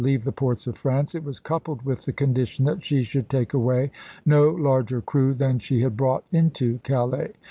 leave the ports of France, it was coupled with the condition that she should take away no larger crew than she had brought into Calais.